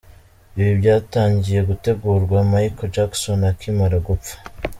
Ibi byatangiye gutegurwa Michael Jackson akimara gupfa.